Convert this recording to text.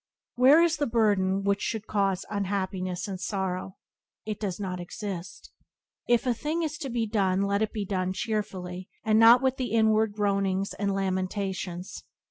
Where is the burden which should cause unhappiness or sorrow? It does not exist. If a thing is to be done let it be done cheerfully, and not with inward groanings and lamentations.